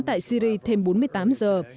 tại syri thêm bốn mươi tám giờ